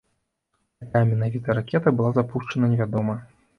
Якая менавіта ракета была запушчана, невядома.